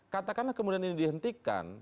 katakanlah kemudian ini dihentikan